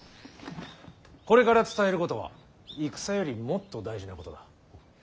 これから伝えることは戦よりもっと大事なことだ。